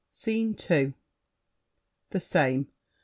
SCENE II The same.